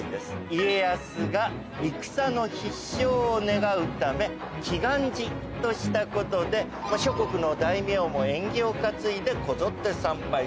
家康が戦の必勝を願うため祈願寺としたことで諸国の大名も縁起を担いでこぞって参拝する。